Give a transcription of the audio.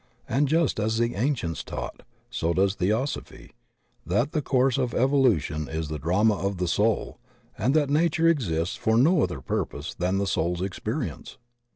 And just as the ancients taught, so does Theosophy; that the course of evolution is the drama of the soul and that nature exists for no other purpose than the soul's expe rience.